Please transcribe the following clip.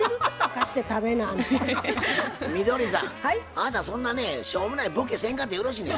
あなたそんなねしょうもないボケせんかてよろしいねや。